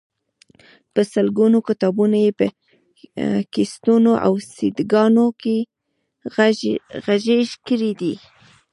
په سلګونو کتابونه یې په کیسټونو او سیډيګانو کې غږیز کړي دي.